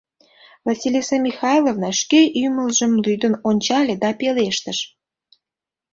Василиса Михайловна шке ӱмылжым лӱдын ончале да пелештыш: